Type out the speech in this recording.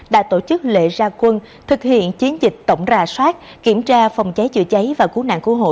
đã tổ chức lễ ra quân thực hiện chiến dịch tổng rà soát kiểm tra phòng cháy chữa cháy và cú nạn cú hộ